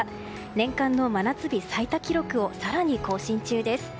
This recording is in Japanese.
年間の真夏日最多記録を更に更新中です。